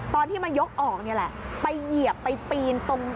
ตอนที่มายกออกนี่แหละไปเหยียบไปปีนตรง